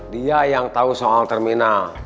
dia yang tahu soal terminal